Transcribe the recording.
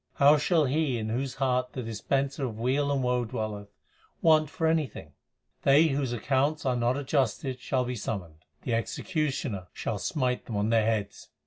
How shall he in whose heart the Dispenser ot weal and woe I dwelleth, want for anything ? They whose accounts are not adjusted shall be summoned ; j the executioner shall smite them on their heads.